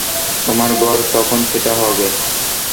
তোমার ঘর তখন সেটা হবে।